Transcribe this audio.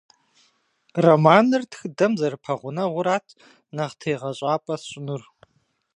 Романыр тхыдэм зэрыпэгъунэгъурат нэхъ тегъэщӏапӏэ сщӏынур.